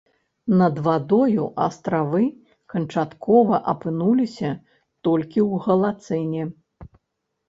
Над вадою астравы канчаткова апынуліся толькі ў галацэне.